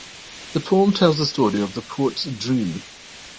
The poem tells the story of the poet's dream.